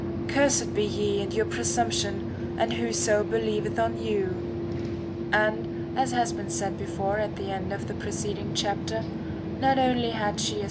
Cursed be ye, and your pre sumption, and whoso believeth on you ! [b. C^^II And, as hath been said before at the end of the preceding chapter, not only had she a [i.